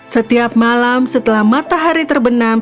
setiap malam setelah matahari terbenam